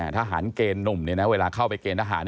ทหารเกณฑ์หนุ่มเวลาเข้าไปเกณฑ์ทหาร